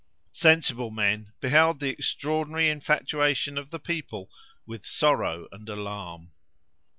Sensible men beheld the extraordinary infatuation of the people with sorrow and alarm.